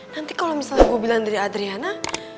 nanti kalau misalnya gue bilang dari adriana